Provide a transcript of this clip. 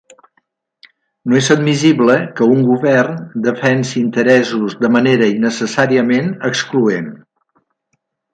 No és admissible que un govern defensi interessos de manera innecessàriament excloent.